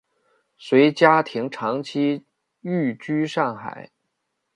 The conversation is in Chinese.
随家庭长期寓居上海。